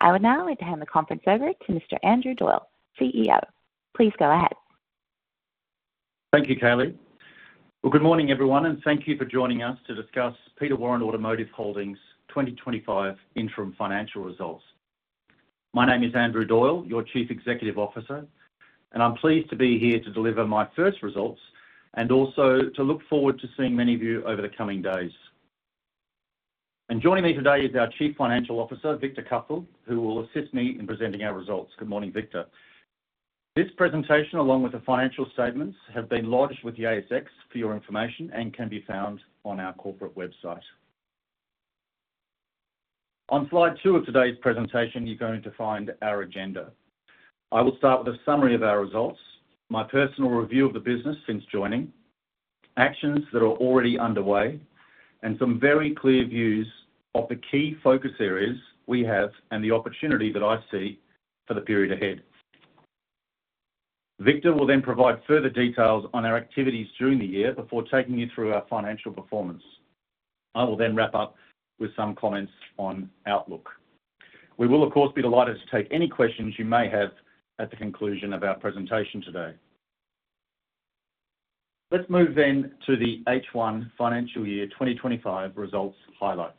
I would now like to hand the conference over to Mr. Andrew Doyle, CEO. Please go ahead. Thank you, Kayleigh. Good morning, everyone, and thank you for joining us to discuss Peter Warren Automotive Holdings' 2025 interim financial results. My name is Andrew Doyle, your Chief Executive Officer, and I'm pleased to be here to deliver my first results and also to look forward to seeing many of you over the coming days. Joining me today is our Chief Financial Officer, Victor Cuthell, who will assist me in presenting our results. Good morning, Victor. This presentation, along with the financial statements, have been lodged with the ASX for your information and can be found on our corporate website. On slide two of today's presentation, you're going to find our agenda. I will start with a summary of our results, my personal review of the business since joining, actions that are already underway, and some very clear views of the key focus areas we have and the opportunity that I see for the period ahead. Victor will then provide further details on our activities during the year before taking you through our financial performance. I will then wrap up with some comments on outlook. We will, of course, be delighted to take any questions you may have at the conclusion of our presentation today. Let's move then to the H1 financial year 2025 results highlights.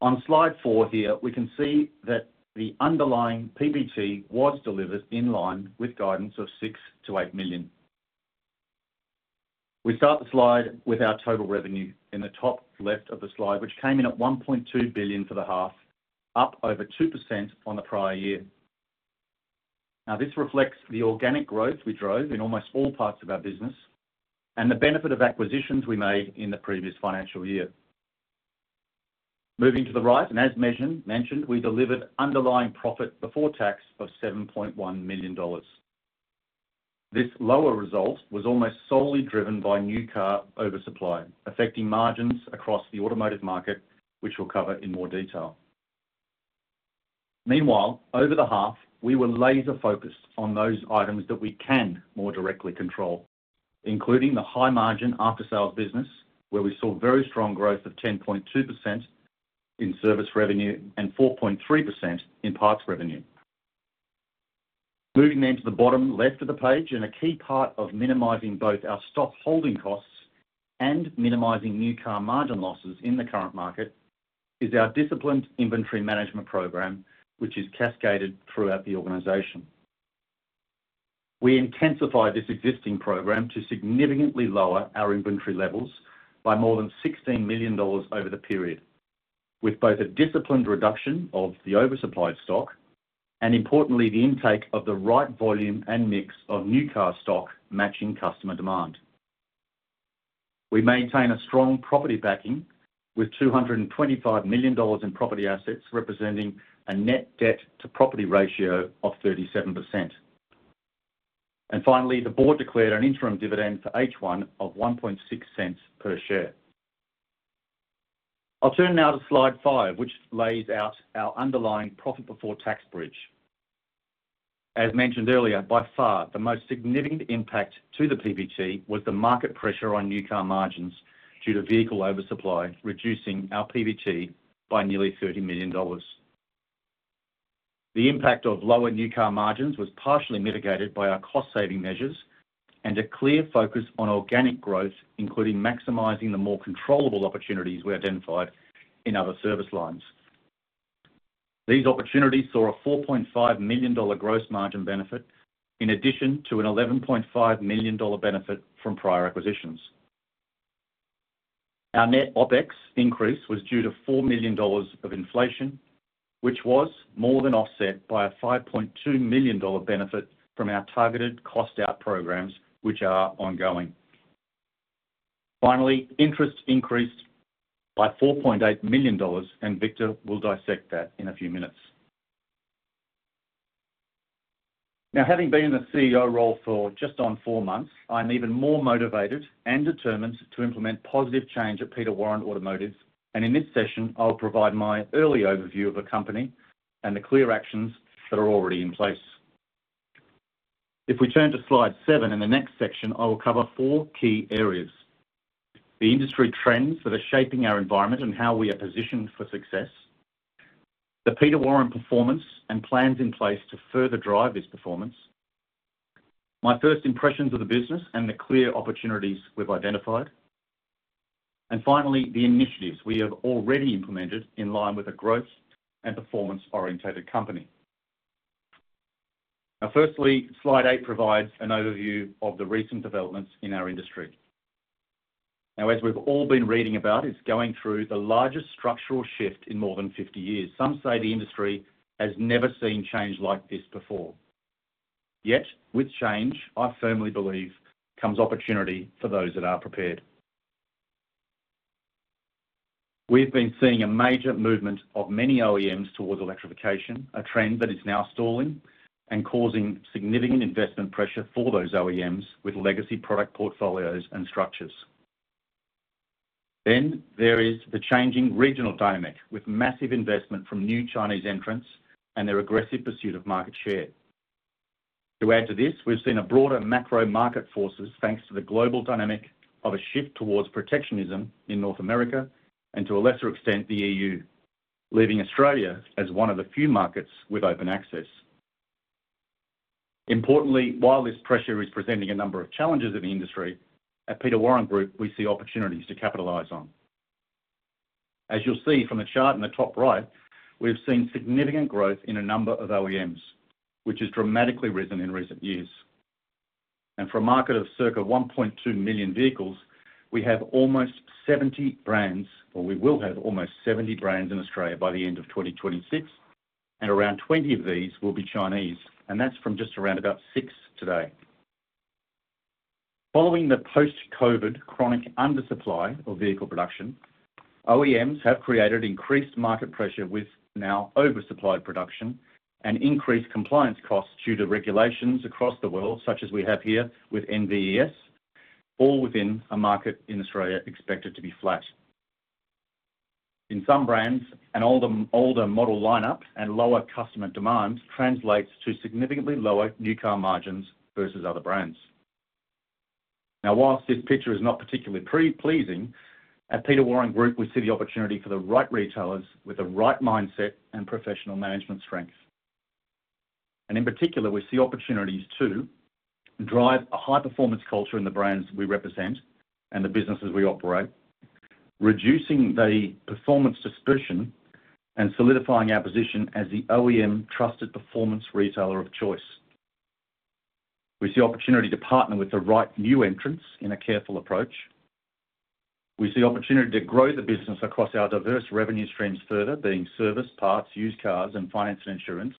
On slide four here, we can see that the underlying PBT was delivered in line with guidance of 6 million-8 million. We start the slide with our total revenue in the top left of the slide, which came in at 1.2 billion for the half, up over 2% on the prior year. Now, this reflects the organic growth we drove in almost all parts of our business and the benefit of acquisitions we made in the previous financial year. Moving to the right, and as mentioned, we delivered underlying profit before tax of 7.1 million dollars. This lower result was almost solely driven by new car oversupply, affecting margins across the automotive market, which we will cover in more detail. Meanwhile, over the half, we were laser-focused on those items that we can more directly control, including the high-margin after-sales business, where we saw very strong growth of 10.2% in service revenue and 4.3% in parts revenue. Moving then to the bottom left of the page, a key part of minimizing both our stock holding costs and minimizing new car margin losses in the current market is our disciplined inventory management program, which is cascaded throughout the organization. We intensified this existing program to significantly lower our inventory levels by more than 16 million dollars over the period, with both a disciplined reduction of the oversupplied stock and, importantly, the intake of the right volume and mix of new car stock matching customer demand. We maintain a strong property backing with 225 million dollars in property assets representing a net debt-to-property ratio of 37%. Finally, the board declared an interim dividend for H1 of 0.016 per share. I'll turn now to slide five, which lays out our underlying profit before tax bridge. As mentioned earlier, by far the most significant impact to the PBT was the market pressure on new car margins due to vehicle oversupply, reducing our PBT by nearly 30 million dollars. The impact of lower new car margins was partially mitigated by our cost-saving measures and a clear focus on organic growth, including maximizing the more controllable opportunities we identified in other service lines. These opportunities saw a 4.5 million dollar gross margin benefit in addition to an 11.5 million dollar benefit from prior acquisitions. Our net OpEx increase was due to 4 million dollars of inflation, which was more than offset by a 5.2 million dollar benefit from our targeted cost-out programs, which are ongoing. Finally, interest increased by 4.8 million dollars, and Victor will dissect that in a few minutes. Now, having been in the CEO role for just under four months, I'm even more motivated and determined to implement positive change at Peter Warren Automotive, and in this session, I'll provide my early overview of the company and the clear actions that are already in place. If we turn to slide seven in the next section, I will cover four key areas: the industry trends that are shaping our environment and how we are positioned for success, the Peter Warren performance and plans in place to further drive this performance, my first impressions of the business and the clear opportunities we've identified, and finally, the initiatives we have already implemented in line with a growth and performance-orientated company. Firstly, slide eight provides an overview of the recent developments in our industry. Now, as we've all been reading about, it's going through the largest structural shift in more than 50 years. Some say the industry has never seen change like this before. Yet, with change, I firmly believe, comes opportunity for those that are prepared. We've been seeing a major movement of many OEMs towards electrification, a trend that is now stalling and causing significant investment pressure for those OEMs with legacy product portfolios and structures. There is the changing regional dynamic with massive investment from new Chinese entrants and their aggressive pursuit of market share. To add to this, we've seen broader macro market forces thanks to the global dynamic of a shift towards protectionism in North America and, to a lesser extent, the EU, leaving Australia as one of the few markets with open access. Importantly, while this pressure is presenting a number of challenges in the industry, at Peter Warren Group, we see opportunities to capitalize on. As you'll see from the chart in the top right, we've seen significant growth in a number of OEMs, which has dramatically risen in recent years. For a market of circa 1.2 million vehicles, we have almost 70 brands, or we will have almost 70 brands in Australia by the end of 2026, and around 20 of these will be Chinese, and that's from just around about six today. Following the post-COVID chronic undersupply of vehicle production, OEMs have created increased market pressure with now oversupplied production and increased compliance costs due to regulations across the world, such as we have here with NVES, all within a market in Australia expected to be flat. In some brands, an older model lineup and lower customer demand translates to significantly lower new car margins versus other brands. Whilst this picture is not particularly pleasing, at Peter Warren Group, we see the opportunity for the right retailers with the right mindset and professional management strength. In particular, we see opportunities to drive a high-performance culture in the brands we represent and the businesses we operate, reducing the performance dispersion and solidifying our position as the OEM trusted performance retailer of choice. We see opportunity to partner with the right new entrants in a careful approach. We see opportunity to grow the business across our diverse revenue streams further, being service, parts, used cars, and finance and insurance,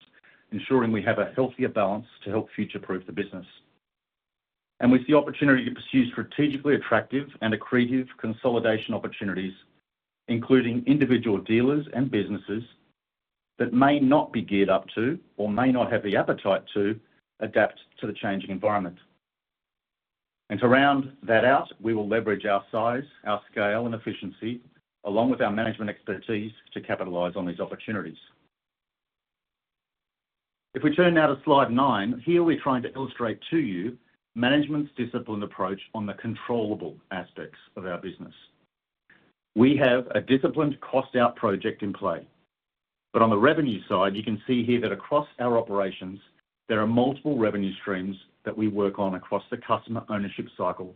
ensuring we have a healthier balance to help future-proof the business. We see opportunity to pursue strategically attractive and accretive consolidation opportunities, including individual dealers and businesses that may not be geared up to or may not have the appetite to adapt to the changing environment. To round that out, we will leverage our size, our scale, and efficiency, along with our management expertise, to capitalize on these opportunities. If we turn now to slide nine, here we are trying to illustrate to you management's disciplined approach on the controllable aspects of our business. We have a disciplined cost-out project in play. On the revenue side, you can see here that across our operations, there are multiple revenue streams that we work on across the customer ownership cycle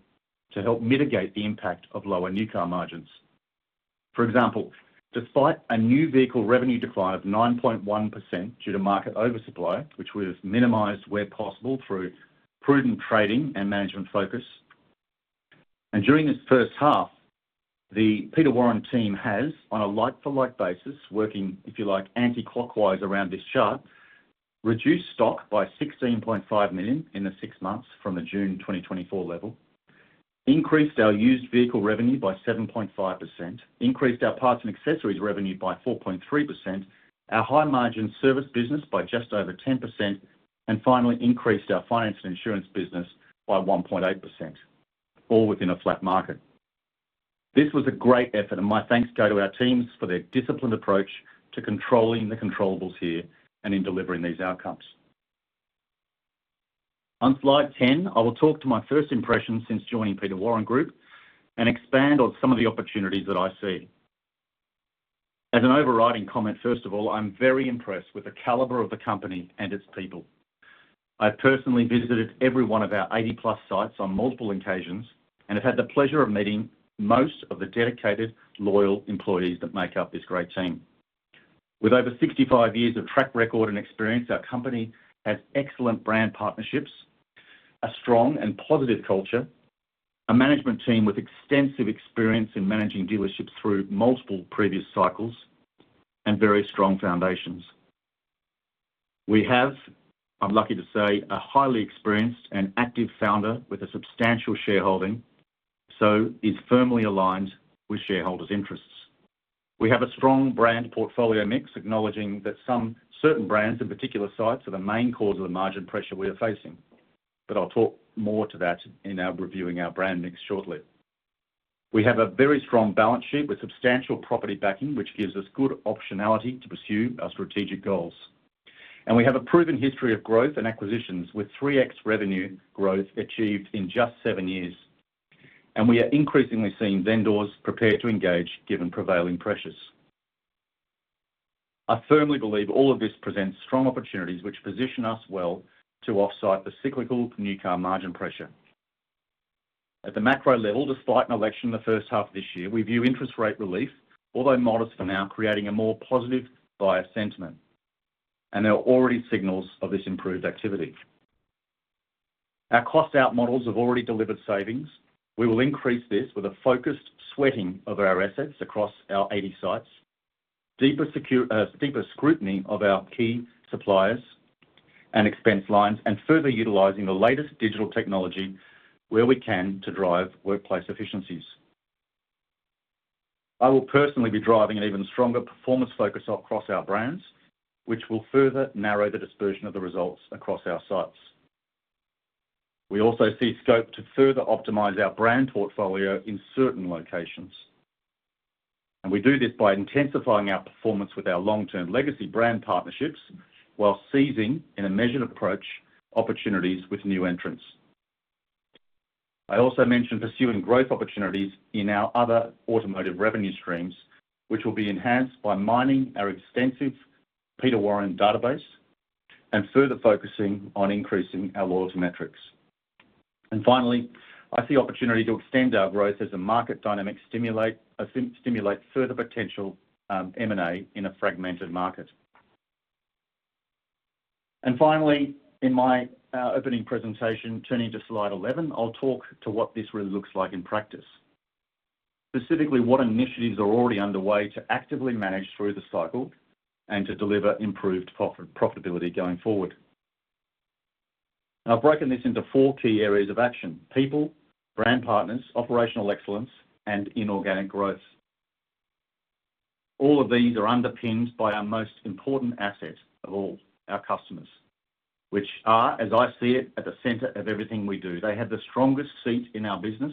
to help mitigate the impact of lower new car margins. For example, despite a new vehicle revenue decline of 9.1% due to market oversupply, which we have minimized where possible through prudent trading and management focus. During this first half, the Peter Warren team has, on a like-for-like basis, working, if you like, anti-clockwise around this chart, reduced stock by 16.5 million in the six months from the June 2024 level, increased our used vehicle revenue by 7.5%, increased our parts and accessories revenue by 4.3%, our high-margin service business by just over 10%, and finally increased our finance and insurance business by 1.8%, all within a flat market. This was a great effort, and my thanks go to our teams for their disciplined approach to controlling the controllable here and in delivering these outcomes. On slide 10, I will talk to my first impressions since joining Peter Warren Group and expand on some of the opportunities that I see. As an overriding comment, first of all, I'm very impressed with the caliber of the company and its people. I've personally visited every one of our 80-plus sites on multiple occasions and have had the pleasure of meeting most of the dedicated, loyal employees that make up this great team. With over 65 years of track record and experience, our company has excellent brand partnerships, a strong and positive culture, a management team with extensive experience in managing dealerships through multiple previous cycles, and very strong foundations. We have, I'm lucky to say, a highly experienced and active founder with a substantial shareholding, so he's firmly aligned with shareholders' interests. We have a strong brand portfolio mix, acknowledging that some certain brands and particular sites are the main cause of the margin pressure we are facing. I will talk more to that in our reviewing our brand mix shortly. We have a very strong balance sheet with substantial property backing, which gives us good optionality to pursue our strategic goals. We have a proven history of growth and acquisitions with 3X revenue growth achieved in just seven years. We are increasingly seeing vendors prepared to engage given prevailing pressures. I firmly believe all of this presents strong opportunities which position us well to offset the cyclical new car margin pressure. At the macro level, despite an election in the first half of this year, we view interest rate relief, although modest for now, creating a more positive buyer sentiment. There are already signals of this improved activity. Our cost-out models have already delivered savings. We will increase this with a focused sweating of our assets across our 80 sites, deeper scrutiny of our key suppliers and expense lines, and further utilizing the latest digital technology where we can to drive workplace efficiencies. I will personally be driving an even stronger performance focus across our brands, which will further narrow the dispersion of the results across our sites. We also see scope to further optimize our brand portfolio in certain locations. We do this by intensifying our performance with our long-term legacy brand partnerships while seizing, in a measured approach, opportunities with new entrants. I also mentioned pursuing growth opportunities in our other automotive revenue streams, which will be enhanced by mining our extensive Peter Warren database and further focusing on increasing our loyalty metrics. I see opportunity to extend our growth as market dynamics stimulate further potential M&A in a fragmented market. In my opening presentation, turning to slide 11, I'll talk to what this really looks like in practice. Specifically, what initiatives are already underway to actively manage through the cycle and to deliver improved profitability going forward. I've broken this into four key areas of action: people, brand partners, operational excellence, and inorganic growth. All of these are underpinned by our most important asset of all, our customers, which are, as I see it, at the center of everything we do. They have the strongest seat in our business,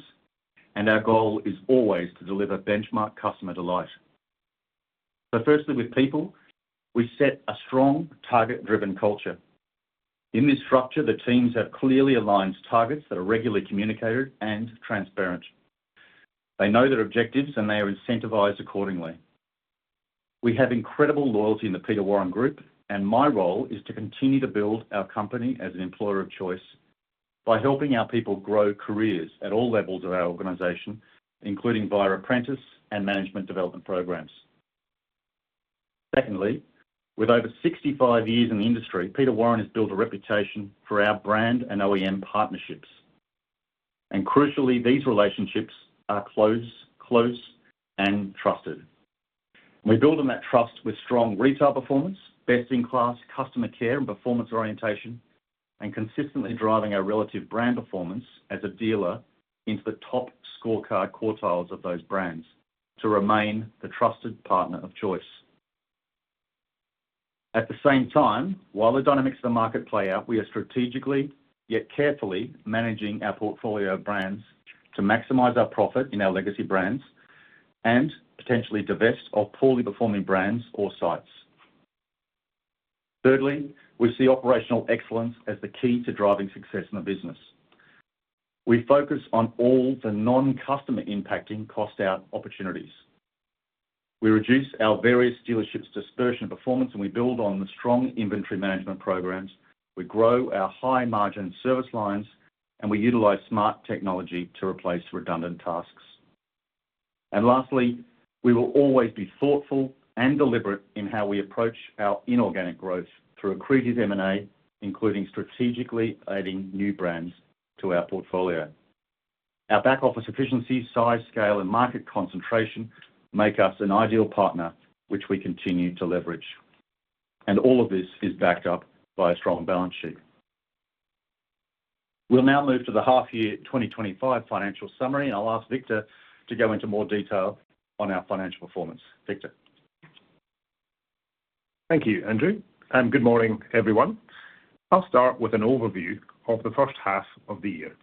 and our goal is always to deliver benchmark customer delight. Firstly, with people, we set a strong target-driven culture. In this structure, the teams have clearly aligned targets that are regularly communicated and transparent. They know their objectives, and they are incentivized accordingly. We have incredible loyalty in the Peter Warren Group, and my role is to continue to build our company as an employer of choice by helping our people grow careers at all levels of our organization, including via apprentice and management development programs. Secondly, with over 65 years in the industry, Peter Warren has built a reputation for our brand and OEM partnerships. Crucially, these relationships are close, close, and trusted. We build on that trust with strong retail performance, best-in-class customer care and performance orientation, and consistently driving our relative brand performance as a dealer into the top scorecard quartiles of those brands to remain the trusted partner of choice. At the same time, while the dynamics of the market play out, we are strategically yet carefully managing our portfolio of brands to maximize our profit in our legacy brands and potentially divest of poorly performing brands or sites. Thirdly, we see operational excellence as the key to driving success in the business. We focus on all the non-customer impacting cost-out opportunities. We reduce our various dealerships' dispersion performance, and we build on the strong inventory management programs. We grow our high-margin service lines, and we utilize smart technology to replace redundant tasks. Lastly, we will always be thoughtful and deliberate in how we approach our inorganic growth through accretive M&A, including strategically adding new brands to our portfolio. Our back-office efficiency, size, scale, and market concentration make us an ideal partner, which we continue to leverage. All of this is backed up by a strong balance sheet. We'll now move to the half-year 2025 financial summary, and I'll ask Victor to go into more detail on our financial performance. Victor. Thank you, Andrew. Good morning, everyone. I'll start with an overview of the first half of the year.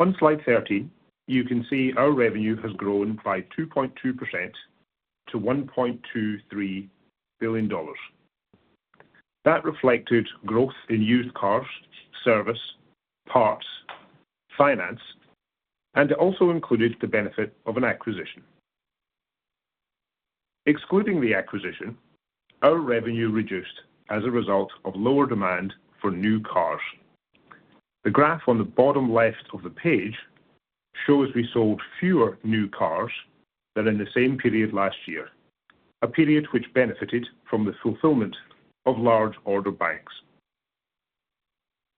On slide 13, you can see our revenue has grown by 2.2% to 1.23 billion dollars. That reflected growth in used cars, service, parts, finance, and it also included the benefit of an acquisition. Excluding the acquisition, our revenue reduced as a result of lower demand for new cars. The graph on the bottom left of the page shows we sold fewer new cars than in the same period last year, a period which benefited from the fulfillment of large order banks.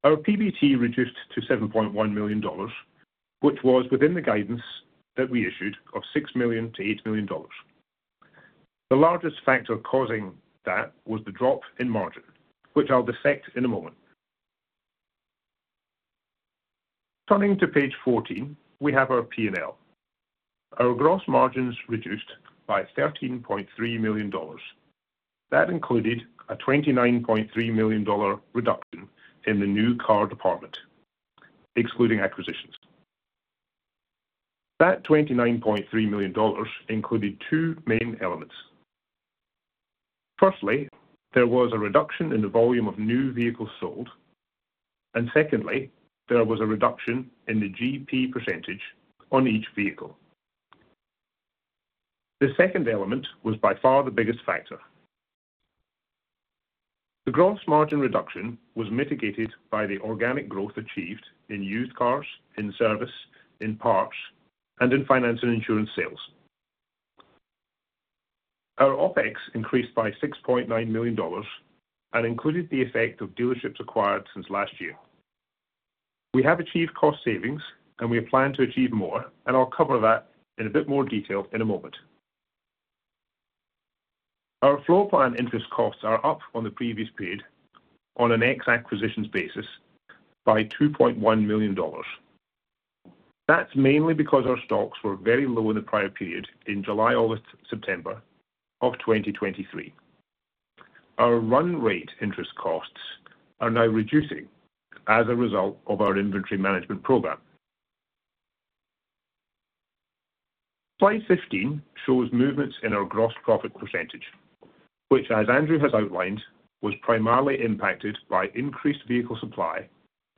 Our PBT reduced to 7.1 million dollars, which was within the guidance that we issued of 6 million-8 million dollars. The largest factor causing that was the drop in margin, which I'll dissect in a moment. Turning to page 14, we have our P&L. Our gross margins reduced by 13.3 million dollars. That included a 29.3 million dollar reduction in the new car department, excluding acquisitions. That 29.3 million dollars included two main elements. Firstly, there was a reduction in the volume of new vehicles sold, and secondly, there was a reduction in the GP % on each vehicle. The second element was by far the biggest factor. The gross margin reduction was mitigated by the organic growth achieved in used cars, in service, in parts, and in finance and insurance sales. Our OpEx increased by 6.9 million dollars and included the effect of dealerships acquired since last year. We have achieved cost savings, and we plan to achieve more, and I'll cover that in a bit more detail in a moment. Our floor plan interest costs are up on the previous period on an ex-acquisitions basis by 2.1 million dollars. That's mainly because our stocks were very low in the prior period in July, August, September of 2023. Our run rate interest costs are now reducing as a result of our inventory management program. Slide 15 shows movements in our gross profit percentage, which, as Andrew has outlined, was primarily impacted by increased vehicle supply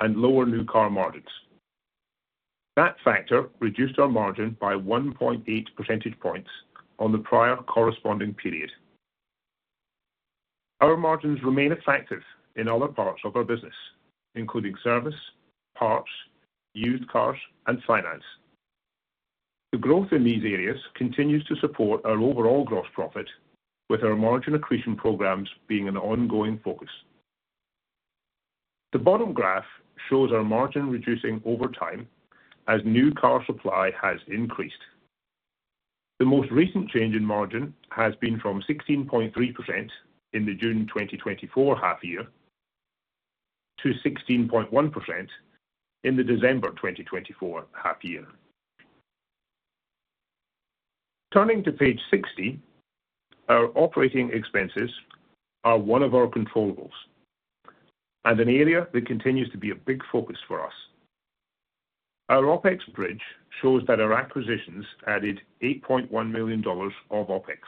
and lower new car margins. That factor reduced our margin by 1.8 percentage points on the prior corresponding period. Our margins remain effective in other parts of our business, including service, parts, used cars, and finance. The growth in these areas continues to support our overall gross profit, with our margin accretion programs being an ongoing focus. The bottom graph shows our margin reducing over time as new car supply has increased. The most recent change in margin has been from 16.3% in the June 2024 half-year to 16.1% in the December 2024 half-year. Turning to page 60, our operating expenses are one of our controllables, and an area that continues to be a big focus for us. Our OpEx bridge shows that our acquisitions added 8.1 million dollars of OpEx.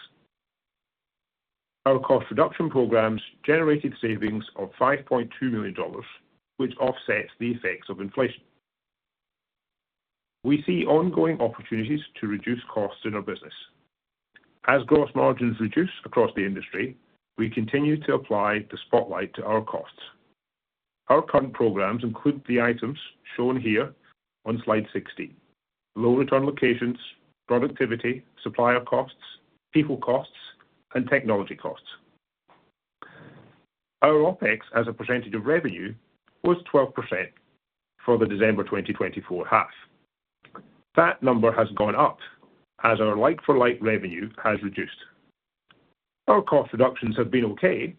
Our cost reduction programs generated savings of 5.2 million dollars, which offsets the effects of inflation. We see ongoing opportunities to reduce costs in our business. As gross margins reduce across the industry, we continue to apply the spotlight to our costs. Our current programs include the items shown here on slide 60: low return locations, productivity, supplier costs, people costs, and technology costs. Our OpEx as a percentage of revenue was 12% for the December 2024 half. That number has gone up as our like-for-like revenue has reduced. Our cost reductions have been okay,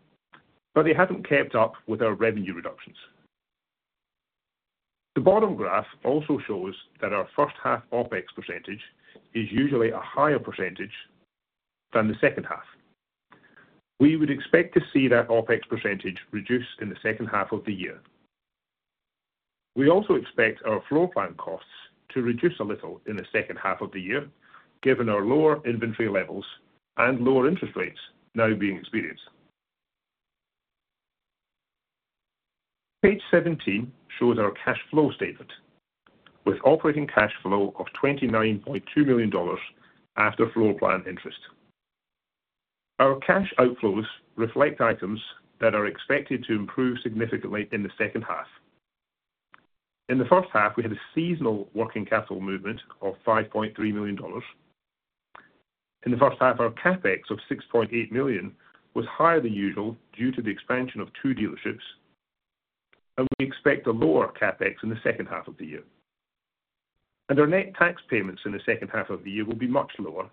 but they haven't kept up with our revenue reductions. The bottom graph also shows that our first half OpEx percentage is usually a higher percentage than the second half. We would expect to see that OpEx percentage reduce in the second half of the year. We also expect our floor plan costs to reduce a little in the second half of the year, given our lower inventory levels and lower interest rates now being experienced. Page 17 shows our cash flow statement, with operating cash flow of 29.2 million dollars after floor plan interest. Our cash outflows reflect items that are expected to improve significantly in the second half. In the first half, we had a seasonal working capital movement of 5.3 million dollars. In the first half, our CapEx of 6.8 million was higher than usual due to the expansion of two dealerships, and we expect a lower CapEx in the second half of the year. Our net tax payments in the second half of the year will be much lower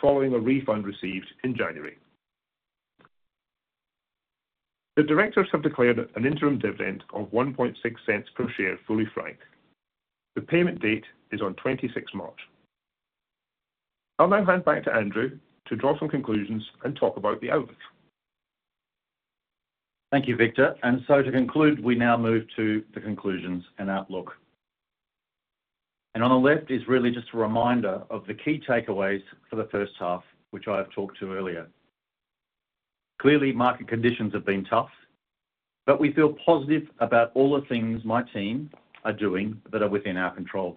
following a refund received in January. The directors have declared an interim dividend of 0.016 per share fully franked. The payment date is on 26 March. I'll now hand back to Andrew to draw some conclusions and talk about the outlook. Thank you, Victor. To conclude, we now move to the conclusions and outlook. On the left is really just a reminder of the key takeaways for the first half, which I have talked to earlier. Clearly, market conditions have been tough, but we feel positive about all the things my team are doing that are within our control.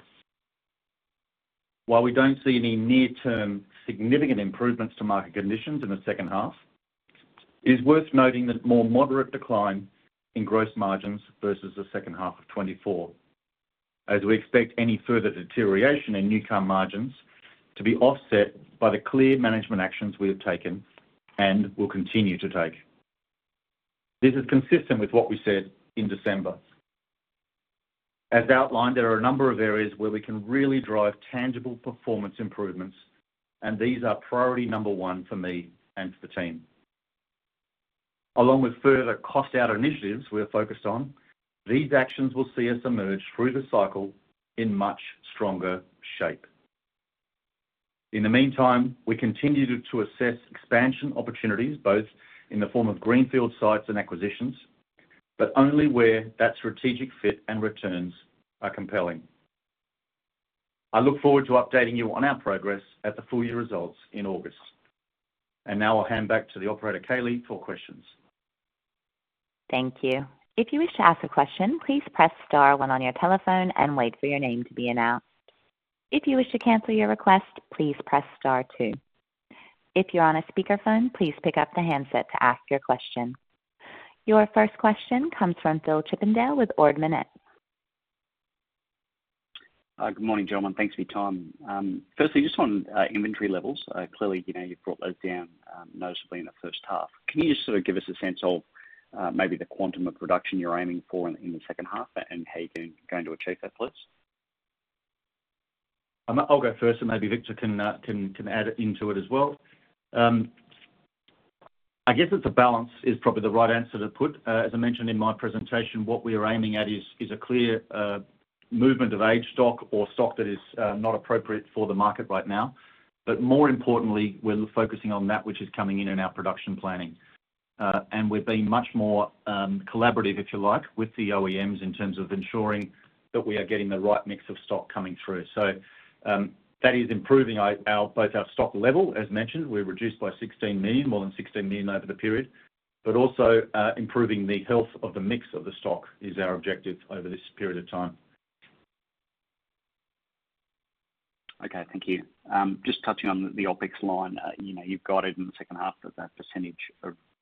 While we do not see any near-term significant improvements to market conditions in the second half, it is worth noting that more moderate decline in gross margins versus the second half of 2024, as we expect any further deterioration in newcomer margins to be offset by the clear management actions we have taken and will continue to take. This is consistent with what we said in December. As outlined, there are a number of areas where we can really drive tangible performance improvements, and these are priority number one for me and for the team. Along with further cost-out initiatives we are focused on, these actions will see us emerge through the cycle in much stronger shape. In the meantime, we continue to assess expansion opportunities, both in the form of greenfield sites and acquisitions, but only where that strategic fit and returns are compelling. I look forward to updating you on our progress at the full year results in August. I will hand back to the operator, Kayleigh, for questions. Thank you. If you wish to ask a question, please press star one on your telephone and wait for your name to be announced. If you wish to cancel your request, please press star two. If you're on a speakerphone, please pick up the handset to ask your question. Your first question comes from Phil Chippindale with Ord Minnett. Good morning, gentlemen. Thanks for your time. Firstly, just on inventory levels, clearly you've brought those down noticeably in the first half. Can you just sort of give us a sense of maybe the quantum of production you're aiming for in the second half and how you're going to achieve that, please? I'll go first, and maybe Victor can add into it as well. I guess it's a balance is probably the right answer to put. As I mentioned in my presentation, what we are aiming at is a clear movement of age stock or stock that is not appropriate for the market right now. More importantly, we're focusing on that which is coming in in our production planning. We've been much more collaborative, if you like, with the OEMs in terms of ensuring that we are getting the right mix of stock coming through. That is improving both our stock level, as mentioned. We reduced by 16 million, more than 16 million over the period. But also improving the health of the mix of the stock is our objective over this period of time. Okay, thank you. Just touching on the OpEx line, you've got it in the second half that that percentage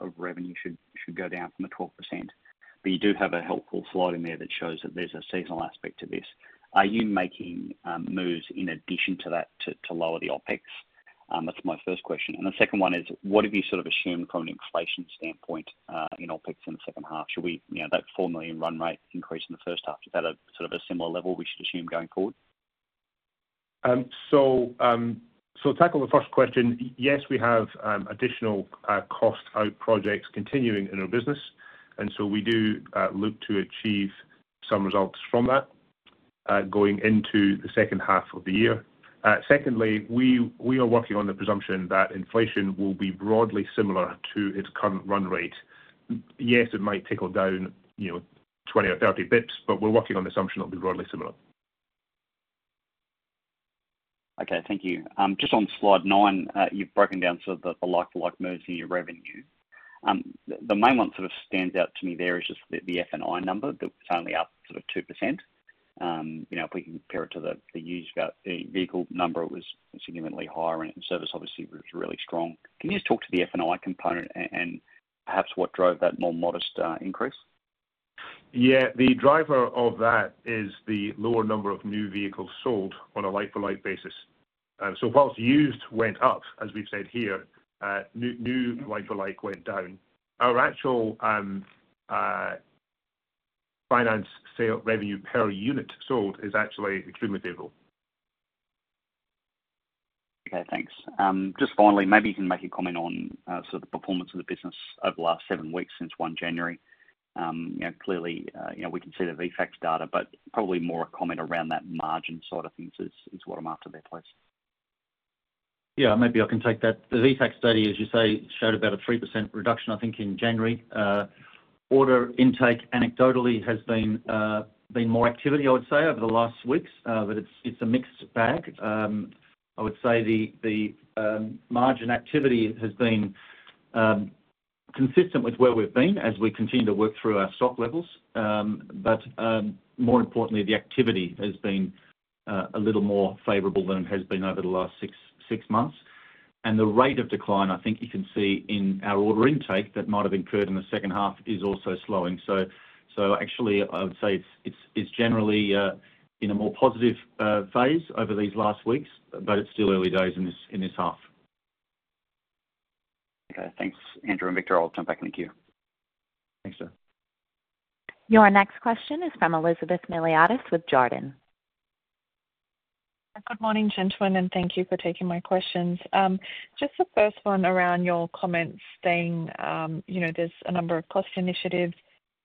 of revenue should go down from the 12%. You do have a helpful slide in there that shows that there's a seasonal aspect to this. Are you making moves in addition to that to lower the OpEx? That's my first question. The second one is, what have you sort of assumed from an inflation standpoint in OpEx in the second half? Should we, that 4 million run rate increase in the first half, is that a sort of a similar level we should assume going forward? To tackle the first question, yes, we have additional cost-out projects continuing in our business. We do look to achieve some results from that going into the second half of the year. Secondly, we are working on the presumption that inflation will be broadly similar to its current run rate. Yes, it might tickle down 20 or 30 basis points, but we are working on the assumption it will be broadly similar. Okay, thank you. Just on slide nine, you have broken down sort of the like-for-like moves in your revenue. The main one that stands out to me there is just the F&I number that was only up 2%. If we can compare it to the used vehicle number, it was significantly higher, and service obviously was really strong. Can you just talk to the F&I component and perhaps what drove that more modest increase? Yeah, the driver of that is the lower number of new vehicles sold on a like-for-like basis. Whilst used went up, as we've said here, new like-for-like went down. Our actual finance revenue per unit sold is actually extremely favorable. Okay, thanks. Just finally, maybe you can make a comment on sort of the performance of the business over the last seven weeks since 1 January. Clearly, we can see the VFACTS data, but probably more a comment around that margin side of things is what I'm after there, please. Yeah, maybe I can take that. The VFACTS study, as you say, showed about a 3% reduction, I think, in January. Order intake anecdotally has been more activity, I would say, over the last weeks, but it's a mixed bag. I would say the margin activity has been consistent with where we've been as we continue to work through our stock levels. More importantly, the activity has been a little more favorable than it has been over the last six months. The rate of decline, I think you can see in our order intake that might have incurred in the second half, is also slowing. Actually, I would say it's generally in a more positive phase over these last weeks, but it's still early days in this half. Okay, thanks. Andrew and Victor, I'll turn back and thank you. Thanks, sir. Your next question is from Elizabeth Miliatis with Jarden. Good morning, gentlemen, and thank you for taking my questions. Just the first one around your comments saying there's a number of cost initiatives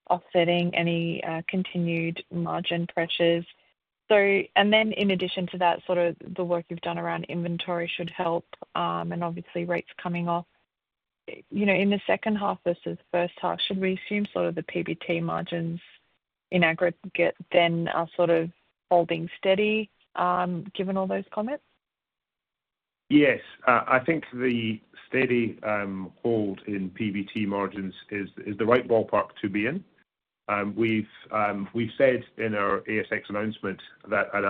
offsetting any continued margin pressures. In addition to that, sort of the work you've done around inventory should help, and obviously rates coming off. In the second half versus first half, should we assume sort of the PBT margins in aggregate then are sort of holding steady given all those comments? Yes, I think the steady hold in PBT margins is the right ballpark to be in. We've said in our ASX announcement that at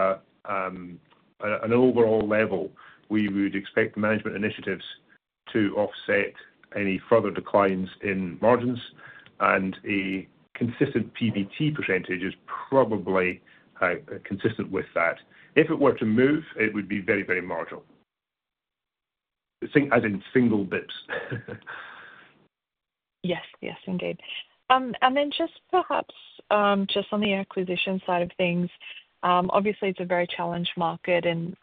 an overall level, we would expect management initiatives to offset any further declines in margins, and a consistent PBT percentage is probably consistent with that. If it were to move, it would be very, very marginal. As in single bits. Yes, yes, indeed. Just perhaps just on the acquisition side of things, obviously it's a very challenged market and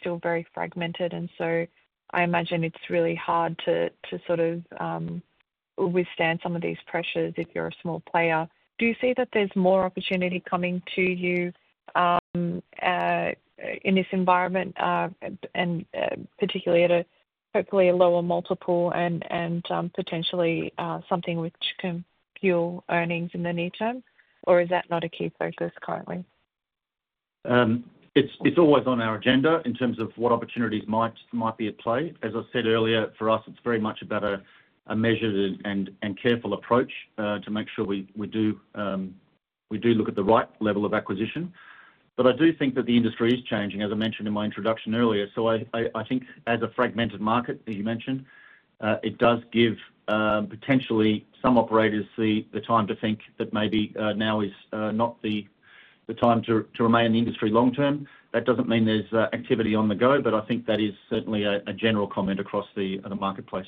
still very fragmented, and so I imagine it's really hard to sort of withstand some of these pressures if you're a small player. Do you see that there's more opportunity coming to you in this environment, and particularly at a hopefully a lower multiple and potentially something which can fuel earnings in the near term? Is that not a key focus currently? It's always on our agenda in terms of what opportunities might be at play. As I said earlier, for us, it's very much about a measured and careful approach to make sure we do look at the right level of acquisition. I do think that the industry is changing, as I mentioned in my introduction earlier. I think as a fragmented market, as you mentioned, it does give potentially some operators the time to think that maybe now is not the time to remain in the industry long term. That does not mean there is activity on the go, but I think that is certainly a general comment across the marketplace.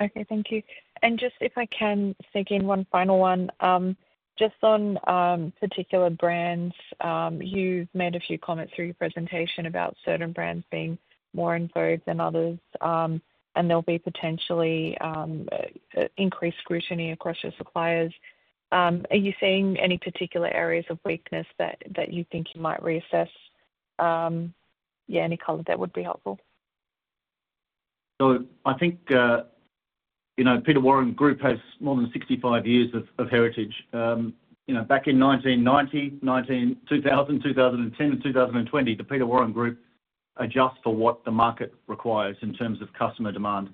Okay, thank you. Just if I can stick in one final one, just on particular brands, you have made a few comments through your presentation about certain brands being more in vogue than others, and there will be potentially increased scrutiny across your suppliers. Are you seeing any particular areas of weakness that you think you might reassess? Yeah, any comment that would be helpful? I think Peter Warren Group has more than 65 years of heritage. Back in 1990, 2000, 2010, and 2020, the Peter Warren Group adjusts for what the market requires in terms of customer demand.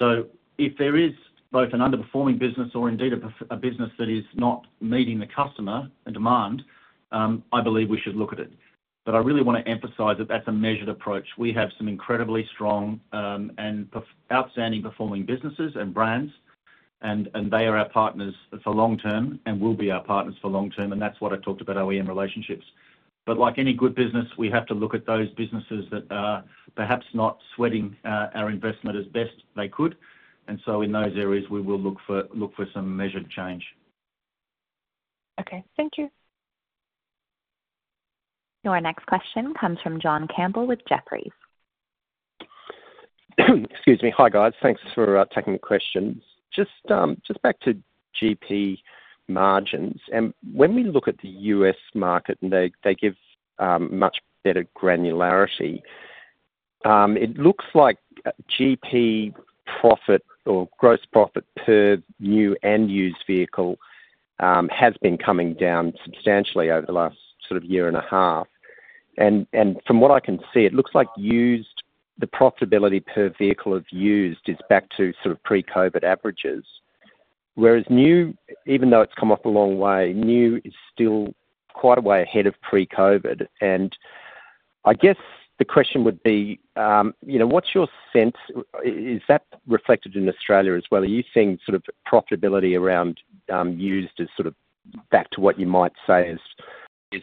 If there is both an underperforming business or indeed a business that is not meeting the customer and demand, I believe we should look at it. I really want to emphasize that that's a measured approach. We have some incredibly strong and outstanding performing businesses and brands, and they are our partners for long term and will be our partners for long term. That is what I talked about, OEM relationships. Like any good business, we have to look at those businesses that are perhaps not sweating our investment as best they could. In those areas, we will look for some measured change. Okay, thank you. Your next question comes from John Campbell with Jefferies. Excuse me. Hi, guys. Thanks for taking the questions. Just back to GP margins. When we look at the US market, and they give much better granularity, it looks like GP profit or gross profit per new and used vehicle has been coming down substantially over the last sort of year and a half. From what I can see, it looks like used, the profitability per vehicle of used is back to sort of pre-COVID averages. Whereas new, even though it's come off a long way, new is still quite a way ahead of pre-COVID. I guess the question would be, what's your sense? Is that reflected in Australia as well? Are you seeing sort of profitability around used as sort of back to what you might say is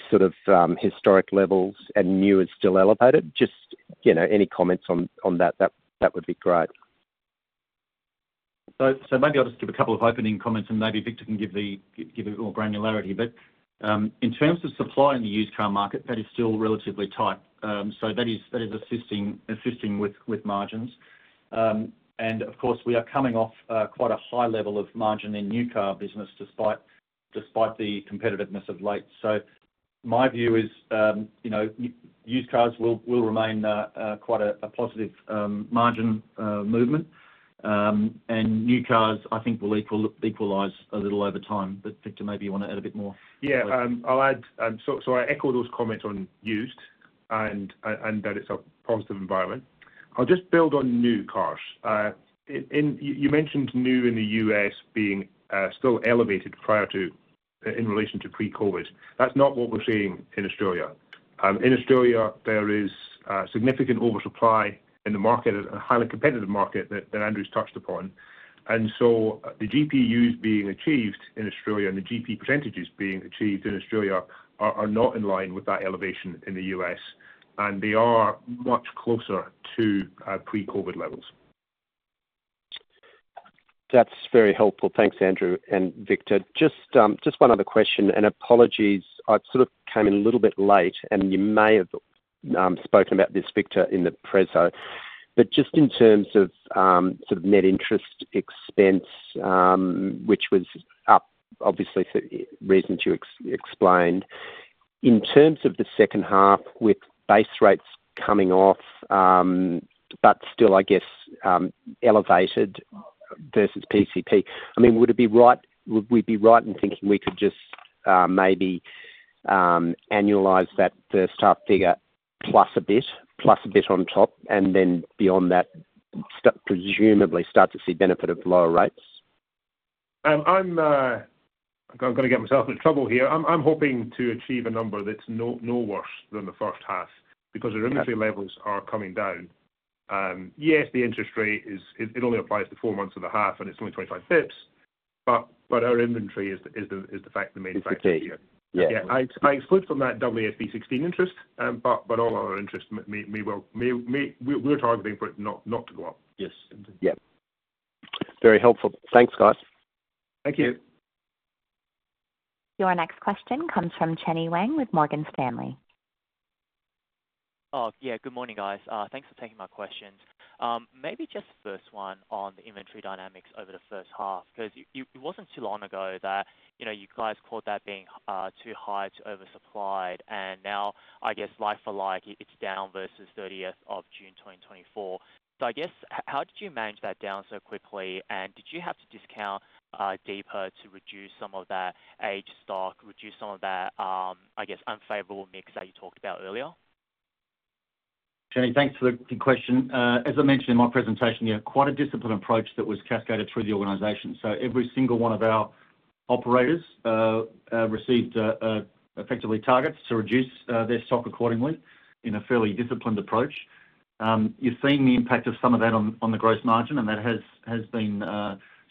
sort of historic levels and new is still elevated? Just any comments on that, that would be great. Maybe I'll just give a couple of opening comments, and maybe Victor can give a bit more granularity. In terms of supply in the used car market, that is still relatively tight. That is assisting with margins. Of course, we are coming off quite a high level of margin in new car business despite the competitiveness of late. My view is used cars will remain quite a positive margin movement. New cars, I think, will equalize a little over time. Victor, maybe you want to add a bit more? Yeah, I'll add. I echo those comments on used and that it's a positive environment. I'll just build on new cars. You mentioned new in the U.S. being still elevated prior to in relation to pre-COVID. That's not what we're seeing in Australia. In Australia, there is significant oversupply in the market, a highly competitive market that Andrew's touched upon. The GP used being achieved in Australia and the GP percentages being achieved in Australia are not in line with that elevation in the U.S. They are much closer to pre-COVID levels. That's very helpful. Thanks, Andrew. Victor, just one other question. Apologies, I sort of came in a little bit late, and you may have spoken about this, Victor, in the press. Just in terms of sort of net interest expense, which was up, obviously, for reasons you explained, in terms of the second half with base rates coming off, but still, I guess, elevated versus PCP, I mean, would it be right? Would we be right in thinking we could just maybe annualize that first half figure plus a bit, plus a bit on top, and then beyond that, presumably start to see benefit of lower rates? I have got to get myself in trouble here. I am hoping to achieve a number that's no worse than the first half because our inventory levels are coming down. Yes, the interest rate, it only applies to four months of the half, and it's only 25 basis points. Our inventory is the main factor here. I exclude from that AASB 16 interest, but all our interest may well be we're targeting for it not to go up. Yes. Yep. Very helpful. Thanks, guys. Thank you. Your next question comes from Chenny Wang with Morgan Stanley. Yeah, good morning, guys. Thanks for taking my questions. Maybe just first one on the inventory dynamics over the first half because it wasn't too long ago that you guys caught that being too high, too oversupplied. Now, I guess, like for like, it's down versus 30th of June, 2024. I guess, how did you manage that down so quickly? Did you have to discount deeper to reduce some of that aged stock, reduce some of that, I guess, unfavorable mix that you talked about earlier? Chenny, thanks for the question. As I mentioned in my presentation, quite a disciplined approach that was cascaded through the organization. Every single one of our operators received effectively targets to reduce their stock accordingly in a fairly disciplined approach. You have seen the impact of some of that on the gross margin, and that has been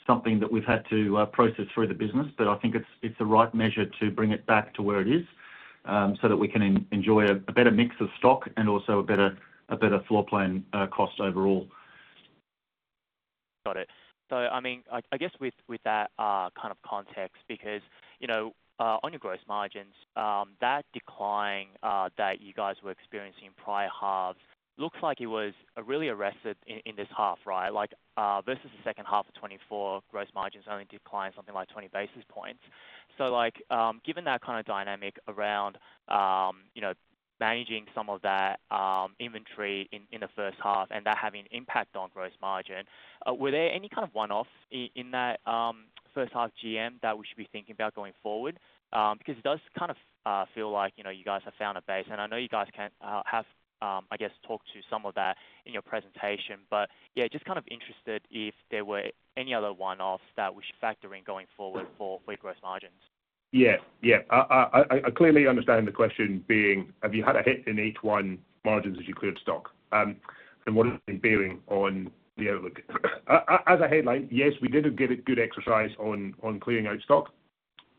something that we have had to process through the business. I think it is the right measure to bring it back to where it is so that we can enjoy a better mix of stock and also a better floor plan cost overall. Got it. I mean, I guess with that kind of context, because on your gross margins, that decline that you guys were experiencing prior halves looks like it was really arrested in this half, right? Versus the second half of 2024, gross margins only declined something like 20 basis points. Given that kind of dynamic around managing some of that inventory in the first half and that having impact on gross margin, were there any kind of one-offs in that first half GM that we should be thinking about going forward? It does kind of feel like you guys have found a base. I know you guys have, I guess, talked to some of that in your presentation. Just kind of interested if there were any other one-offs that we should factor in going forward for gross margins. Yeah, yeah. Clearly understanding the question being, have you had a hit in each one margins as you cleared stock? What has been bearing on the outlook? As a headline, yes, we did get a good exercise on clearing out stock.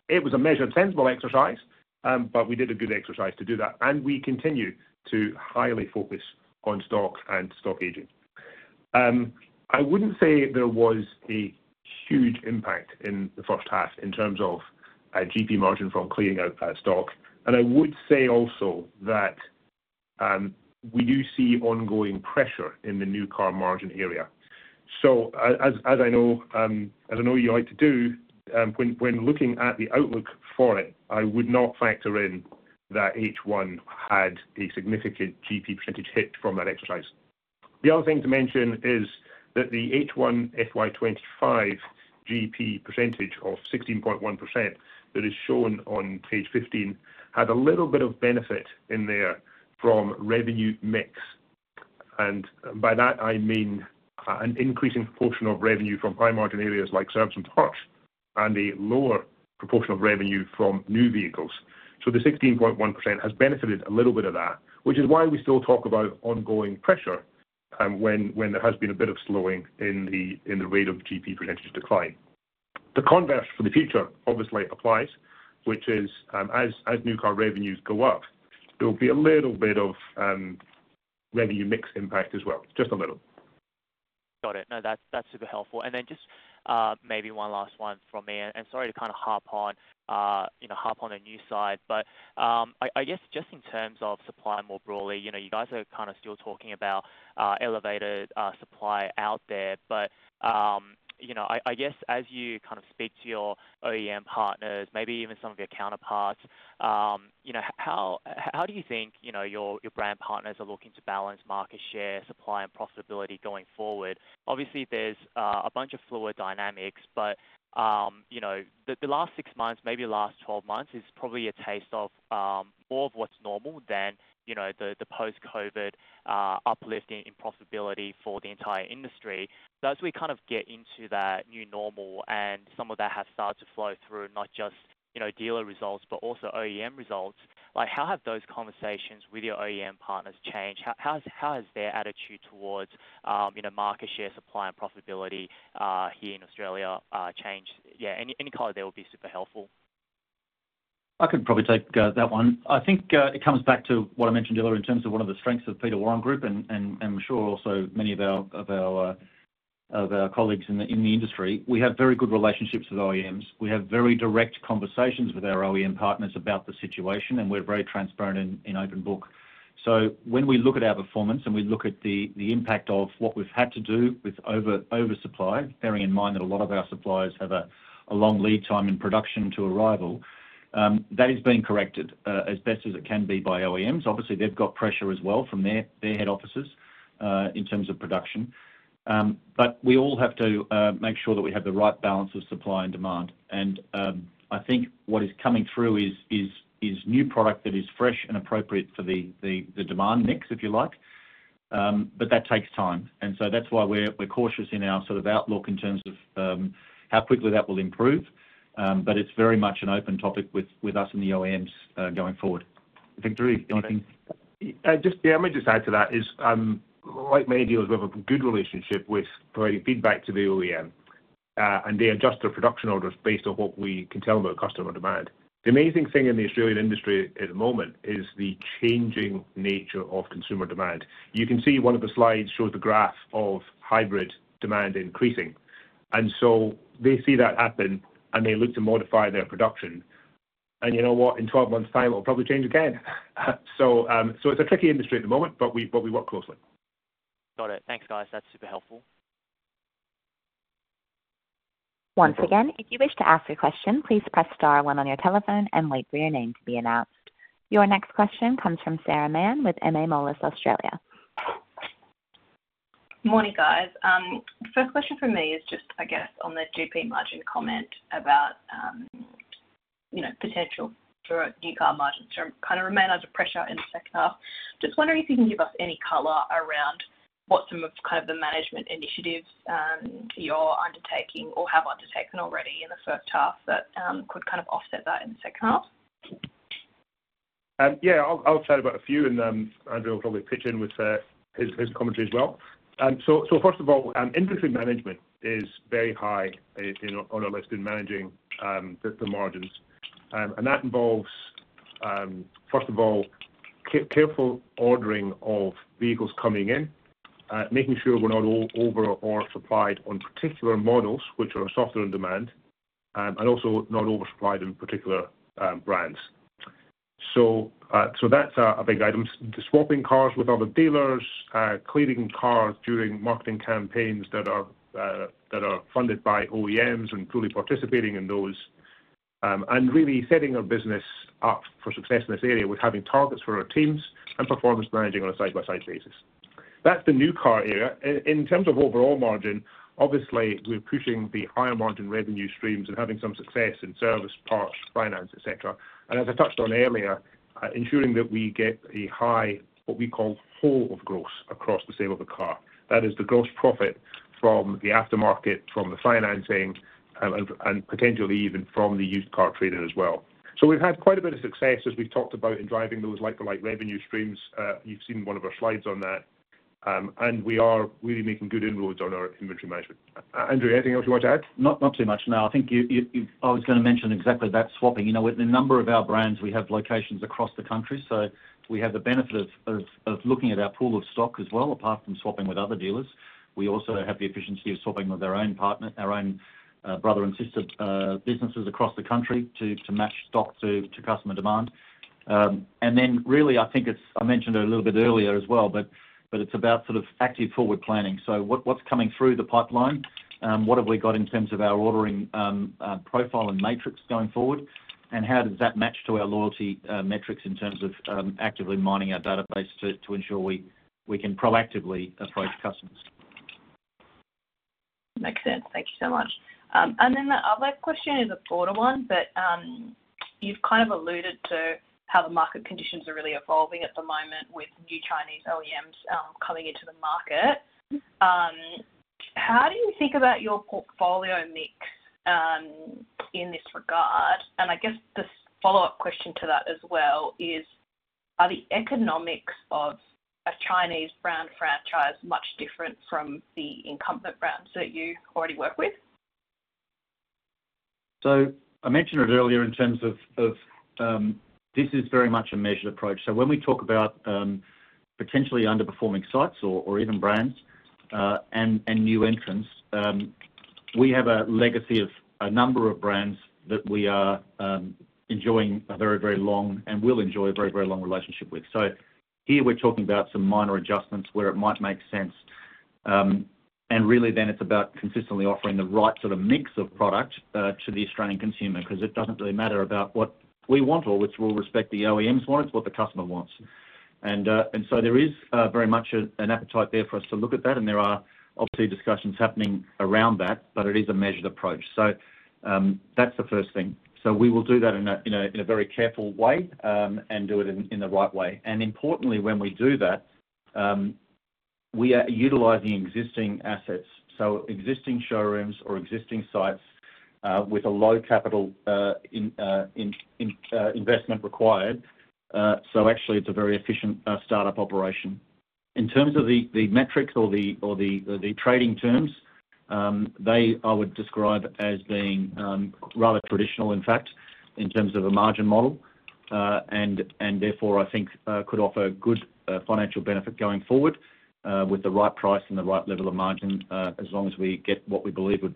It was a measured, sensible exercise, but we did a good exercise to do that. We continue to highly focus on stock and stock aging. I would not say there was a huge impact in the first half in terms of GP margin from clearing out stock. I would say also that we do see ongoing pressure in the new car margin area. As I know you like to do, when looking at the outlook for it, I would not factor in that H1 had a significant GP % hit from that exercise. The other thing to mention is that the H1 FY2025 GP percentage of 16.1% that is shown on page 15 had a little bit of benefit in there from revenue mix. And by that, I mean an increasing proportion of revenue from high margin areas like service and parts and a lower proportion of revenue from new vehicles. So the 16.1% has benefited a little bit of that, which is why we still talk about ongoing pressure when there has been a bit of slowing in the rate of GP percentage decline. The converse for the future obviously applies, which is as new car revenues go up, there will be a little bit of revenue mix impact as well. Just a little. Got it. No, that's super helpful. And then just maybe one last one from me. Sorry to kind of hop on the new side, but I guess just in terms of supply more broadly, you guys are kind of still talking about elevated supply out there. I guess as you kind of speak to your OEM partners, maybe even some of your counterparts, how do you think your brand partners are looking to balance market share, supply, and profitability going forward? Obviously, there's a bunch of fluid dynamics, but the last six months, maybe last 12 months, is probably a taste of more of what's normal than the post-COVID uplift in profitability for the entire industry. As we kind of get into that new normal and some of that has started to flow through not just dealer results, but also OEM results, how have those conversations with your OEM partners changed? How has their attitude towards market share, supply, and profitability here in Australia changed? Yeah, any color there would be super helpful. I could probably take that one. I think it comes back to what I mentioned earlier in terms of one of the strengths of Peter Warren Group, and I'm sure also many of our colleagues in the industry. We have very good relationships with OEMs. We have very direct conversations with our OEM partners about the situation, and we're very transparent and open book. When we look at our performance and we look at the impact of what we've had to do with oversupply, bearing in mind that a lot of our suppliers have a long lead time in production to arrival, that is being corrected as best as it can be by OEMs. Obviously, they have got pressure as well from their head offices in terms of production. We all have to make sure that we have the right balance of supply and demand. I think what is coming through is new product that is fresh and appropriate for the demand mix, if you like. That takes time. That is why we are cautious in our sort of outlook in terms of how quickly that will improve. It is very much an open topic with us and the OEMs going forward. I think, Drew, anything? Just the only thing to add to that is, like many dealers, we have a good relationship with providing feedback to the OEM, and they adjust their production orders based on what we can tell them about customer demand. The amazing thing in the Australian industry at the moment is the changing nature of consumer demand. You can see one of the slides shows the graph of hybrid demand increasing. They see that happen, and they look to modify their production. You know what? In 12 months' time, it'll probably change again. It is a tricky industry at the moment, but we work closely. Got it. Thanks, guys. That's super helpful. Once again, if you wish to ask a question, please press star one on your telephone and wait for your name to be announced. Your next question comes from Sarah Mann with MA Financial Australia. Morning, guys. First question for me is just, I guess, on the GP margin comment about potential for new car margins to kind of remain under pressure in the second half. Just wondering if you can give us any color around what some of kind of the management initiatives you're undertaking or have undertaken already in the first half that could kind of offset that in the second half? Yeah, I'll say about a few, and Andrew will probably pitch in with his commentary as well. First of all, inventory management is very high on our list in managing the margins. That involves, first of all, careful ordering of vehicles coming in, making sure we're not over or supplied on particular models, which are softer on demand, and also not oversupplied in particular brands. That's a big item. Swapping cars with other dealers, clearing cars during marketing campaigns that are funded by OEMs and fully participating in those, and really setting our business up for success in this area with having targets for our teams and performance managing on a side-by-side basis. That is the new car area. In terms of overall margin, obviously, we're pushing the higher margin revenue streams and having some success in service, parts, finance, etc. As I touched on earlier, ensuring that we get a high, what we call, pool of gross across the sale of a car. That is the gross profit from the aftermarket, from the financing, and potentially even from the used car trading as well. We have had quite a bit of success, as we've talked about, in driving those like-for-like revenue streams. You've seen one of our slides on that. We are really making good inroads on our inventory management. Andrew, anything else you want to add? Not too much. No, I think I was going to mention exactly that swapping. With the number of our brands, we have locations across the country. We have the benefit of looking at our pool of stock as well, apart from swapping with other dealers. We also have the efficiency of swapping with our own brother and sister businesses across the country to match stock to customer demand. I think I mentioned it a little bit earlier as well, but it is about sort of active forward planning. What is coming through the pipeline? What have we got in terms of our ordering profile and matrix going forward? How does that match to our loyalty metrics in terms of actively mining our database to ensure we can proactively approach customers? Makes sense. Thank you so much. The other question is a broader one, but you've kind of alluded to how the market conditions are really evolving at the moment with new Chinese OEMs coming into the market. How do you think about your portfolio mix in this regard? I guess the follow-up question to that as well is, are the economics of a Chinese brand franchise much different from the incumbent brands that you already work with? I mentioned it earlier in terms of this is very much a measured approach. When we talk about potentially underperforming sites or even brands and new entrants, we have a legacy of a number of brands that we are enjoying a very, very long and will enjoy a very, very long relationship with. Here, we're talking about some minor adjustments where it might make sense. Really, then it's about consistently offering the right sort of mix of product to the Australian consumer because it doesn't really matter about what we want or with full respect the OEMs want, it's what the customer wants. There is very much an appetite there for us to look at that. There are obviously discussions happening around that, but it is a measured approach. That's the first thing. We will do that in a very careful way and do it in the right way. Importantly, when we do that, we are utilizing existing assets. Existing showrooms or existing sites with a low capital investment required. Actually, it is a very efficient startup operation. In terms of the metrics or the trading terms, they are described as being rather traditional, in fact, in terms of a margin model. Therefore, I think could offer good financial benefit going forward with the right price and the right level of margin as long as we get what we believe would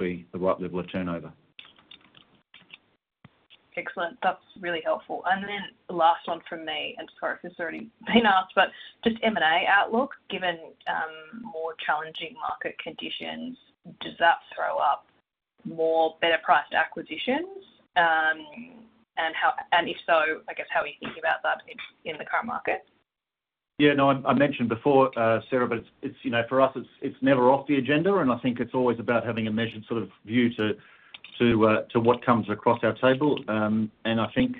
be the right level of turnover. Excellent. That is really helpful. The last one for me, and sorry if this has already been asked, just M&A outlook, given more challenging market conditions, does that throw up more better-priced acquisitions? If so, I guess how are you thinking about that in the current market? Yeah, no, I mentioned before, Sarah, but for us, it's never off the agenda. I think it's always about having a measured sort of view to what comes across our table. I think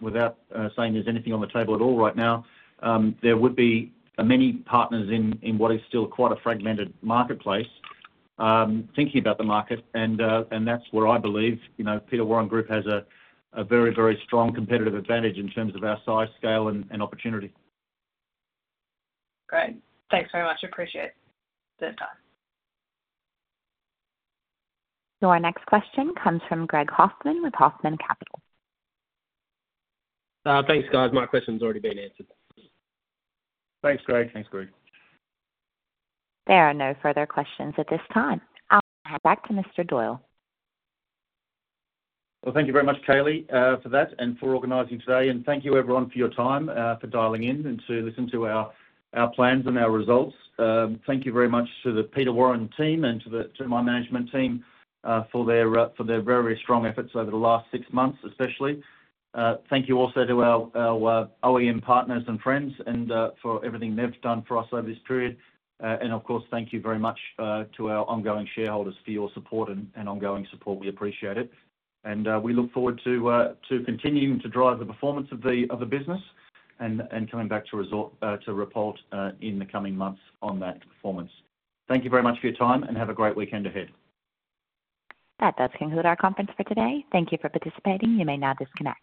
without saying there's anything on the table at all right now, there would be many partners in what is still quite a fragmented marketplace thinking about the market. That's where I believe Peter Warren Group has a very, very strong competitive advantage in terms of our size, scale, and opportunity. Great. Thanks very much. Appreciate the time. Our next question comes from Greg Hoffman with Hoffman Capital. Thanks, guys. My question's already been answered. Thanks, Greg. Thanks, Greg. There are no further questions at this time. I'll hand it back to Mr. Doyle. Thank you very much, Kayleigh, for that and for organizing today. Thank you, everyone, for your time, for dialing in and to listen to our plans and our results. Thank you very much to the Peter Warren team and to my management team for their very, very strong efforts over the last six months, especially. Thank you also to our OEM partners and friends and for everything they've done for us over this period. Of course, thank you very much to our ongoing shareholders for your support and ongoing support. We appreciate it. We look forward to continuing to drive the performance of the business and coming back to report in the coming months on that performance. Thank you very much for your time and have a great weekend ahead. That does conclude our conference for today. Thank you for participating. You may now disconnect.